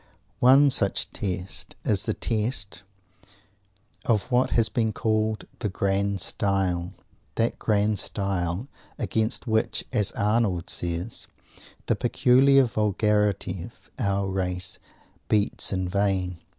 One such test is the test of what has been called "the grand style" that grand style against which, as Arnold says, the peculiar vulgarity of our race beats in vain!